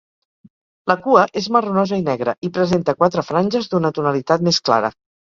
La cua és marronosa i negra, i presenta quatre franges d'una tonalitat més clara.